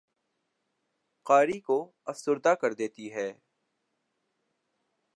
قاری کو افسردہ کر دیتی ہے